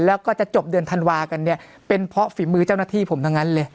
แล้วก็จะจบเดือนธันวากันเนี่ยเป็นเพราะฝีมือเจ้าหน้าที่ผมทั้งนั้นเลย